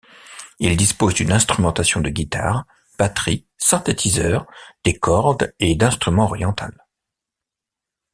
Il dispose d'une instrumentation de guitares, batterie, synthétiseurs, des cordes et d'instruments orientales.